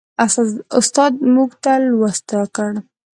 استاد موږ ته لوست راکړ.